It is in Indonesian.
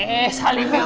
eh salim ya mama